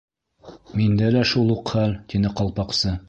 —Миндә лә шул уҡ хәл! —тине Ҡалпаҡсы.